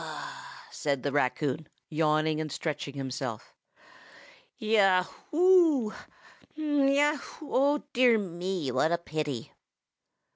said the raccoon, yawning and stretching himself. "Ya a hoo! Hm a yeaow! oh, dear me! what a pity!"